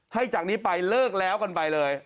จากนี้ไปเลิกแล้วกันไปเลย